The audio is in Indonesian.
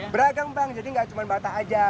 beragam bang jadi enggak cuma batak aja